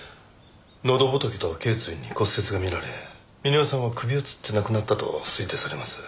喉仏と頸椎に骨折が見られ峰夫さんは首を吊って亡くなったと推定されます。